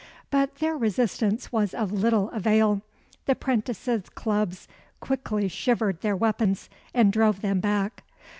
But their resistance was of little avail. The 'prentices' clubs quickly shivered their weapons, and drove them back.